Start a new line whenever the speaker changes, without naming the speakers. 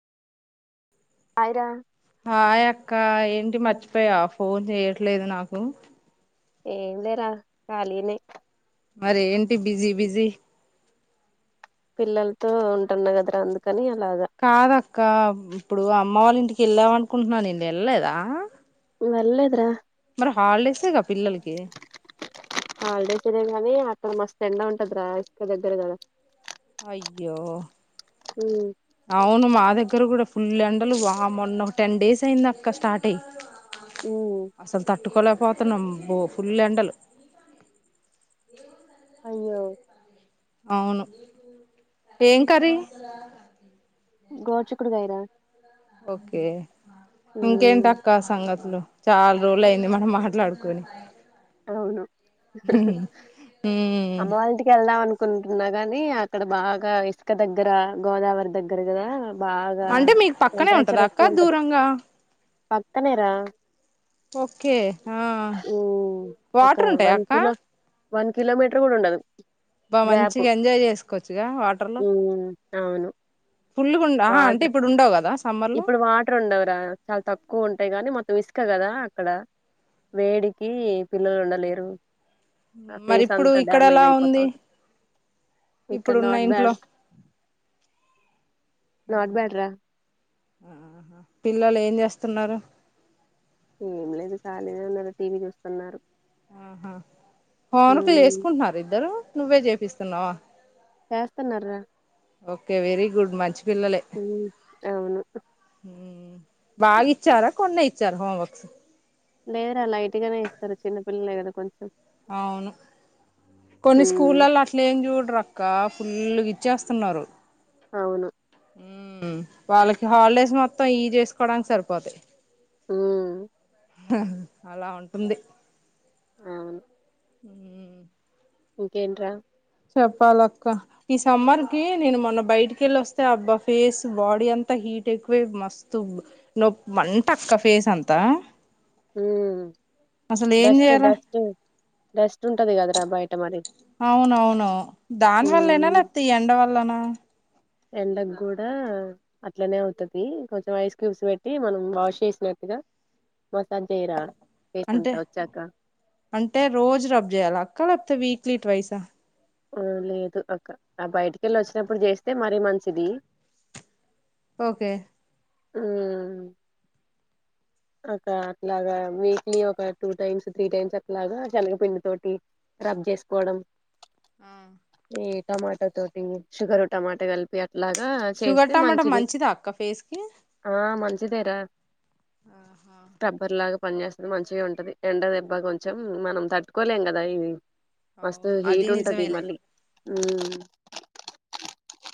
హాయిరా
హాయ అక్క ఏంటి మర్చిపోయా ఫోన్ చేయట్లేదు నాకు
ఎంలేరా కాలినే
మరే ఏంటి బిజీ బిజి
పిల్లలతో ఉంటున్నా కదరా అందుకని అలాగా
కాదక్క బ్ ఇప్పుడు అప్ అమ్మ వాళ్ళ ఇంటికి వెళ్ళావు అనుకుంటున్నా ఏంది ఎ వెళ్లేలేదా
వెళ్ళలేదురా
మరి హాలిడేస్గా పిల్లలకి
హాలిడేస్ ఇదే గానీ అక్కడ మస్త్ ఎండ ఉంటది రా ఇస్క దగ్గర కదా
అయ్యో
ఉమ్
అవును మా దగ్గర కూడా ఫుల్ల్ ఎండలు వా మొన్న ఒక టెన్ డేస్ అయింది అక్క స్టార్ట్ అయ్యి
ఉమ్
అసలు తటుకోళ పోతున్నాంబో ఫుల్ ఎండలు
అయ్యో
అవును ఏం కర్రీ
గాడ్చిక్కుడు కాయరా
ఓకే ఇంకెంటక్కా సంగతులు చాల్ రోల్ అయింది మనం మాట్లాడుకొని
అవును అమ్మ
ఉమ్
వాళ్ళంటికి వెళ్దాం అనుకు కుంటున్నా గాని అక్కడ బాగా ఇసుక దగ్గర గోదావరి దగ్గర కదా బాగా
అంటే మీకు పక్కనే ఉంటద అక్క దూరంగా
పక్కనేేరా
ఓకే ఆ
ఉమ్ ఒక
వాటర్ ఉంటాయా
వన్
అక్క
కిలో వన్ కలోమిటర్ కూడాడ ఉండదు
బా
గ్యాప్
మంచిగా ఎంజాయ్ చేసుకోవచ్చుగా వాటర్ లో
ఉమ్ అవును
పుల్లు కుండా
వాటర్
అంటే ఇప్పుడు ఉండవు కదా సమ్మర్ లో
ఇప్పుడు వాటర్ ఉండవరా చాలా తక్కువ ఉంటాయి కానీ మొత్తం ఇసుక కదా అక్కడ వేడికి పిల్లలు ఉండలేరు ఆ
మరి
ఫేస్
ఇప్పుడు
అంతా
ఇక్కడ
డ్యామేజ్
ఎలా
అయిపోతా
ఉంది
ఉంటంది ఇక
ఇప్పుడున్న
నాట్
ఇంట్లో
బ్యాడ్ నాట్ బ్యాడ రా
ఆ పిల్లలు ఏం చేస్తున్నారు
ఏం లేదు కాలీదల టీవీ చూస్తున్నారు
ఆహా ఫోన్కులు
ఉమ్
చేసుకుంటున్నారు ఇద్దరు నువ్వే చె చపిస్తున్నా
చేస్తానార
ఓకే వెరీ గుడ్ మచ్
ఉ అవును
ఉమ్, బాగా ఇచ్చార కొన్నైతు చర హ బక్స్
లేదురా లైట్ గానే ఇస్తారు చిన్నపిల్లలే కదా కొంచెం
అవును కొన్ని
ఉమ్
స్కూళ్ల్లో అట్లే ఏం చూడరు అక్క ఫుల్లుకి ఇచ్చేస్తున్నారు
అవును
వాళ్ళకి హాలిడేస్ మొత్తం ఇ చేసుకోవడానికి సరిపోతాయి
ఆ
అలా ఉంటుంది హ
ఇంకేంట
చెప్పాలక్క ఈ సమ్మర్ కి నేను మొన్న బయటికి వెళ్లి వస్తే అబ్బా ఫేస్ బాడీ అంతా హీట్ ఎక్కువే మస్తు నొ మంట అక్క ఫేస్ అంతా అసలు ఏం
డస్ట్
చేయాల
డస్ట్ డస్ట్ ఉంటది కదరా బయట అరి
అవునవునువు దాని వల్లనా నతి ఎండ వల్లనా ఆ
ఎండగ కూడా అట్లనే అవుతుది కొంచెం ఐస్ క్యూబ్స్ పెట్టి మనం వాష్ చేసినట్టుగా మసాజ్ చేయరా ఫేస్
అంటె,
అంతా వచ్చాక
అంటే రోజు రబ్ చేయాలా అక్క లేక్పోతే వీక్ క్లి ట్వైస
ఆ లేదు అక్క. ఆ బయటికెళ్ళి వచ్చినప్పుడు చేస్తే మరి మంచిది.
ఓకే
ఉమ్ ఒక అట్లాగా వీక్లీ ఒక టూ టైమ్స్, త్రీ టైమ్స్ అట్లాగా శనగ పిండి తోటి రబ్ చేసుకోవడం.
ఆ
ఈ టమాటా తోటి. షుగరు టమాటా కలిపి అట్
షుగర్ టమాటా మంచిదా అక్క ఫేస్ కి
చ్చిదెరా
ఆహా
పని చేస్తది మంచిగే ఉంటది. ఎండ దెబ్బ కొంచం మనం తట్టుకోలేం కదా ఇది మస్త్
అవును అది
హీట్ ఉంటది
నిజమేలే
మళ్ళీ ఉమ్